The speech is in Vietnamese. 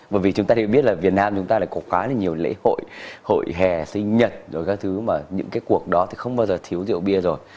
bởi vì chúng ta biết việt nam có quá nhiều lễ hội hội hè sinh nhật những cuộc đó không bao giờ thiếu rượu bia rồi